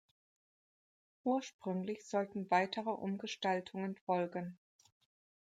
Ursprünglich sollten weitere Umgestaltungen folgen.